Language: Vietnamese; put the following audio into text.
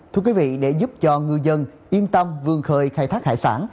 thưa quý vị để giúp cho ngư dân yên tâm vươn khơi khai thác hải sản